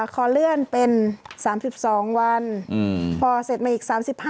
ขอเลื่อนเป็น๓๒วันพอเสร็จมาอีก๓๕